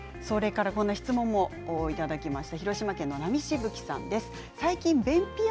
質問もいただきました。